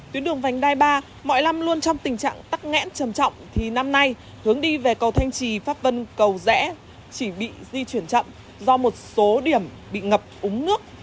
tuyến đường vành đai ba mọi năm luôn trong tình trạng tắc nghẽn trầm trọng thì năm nay hướng đi về cầu thanh trì pháp vân cầu rẽ chỉ bị di chuyển chậm do một số điểm bị ngập úng nước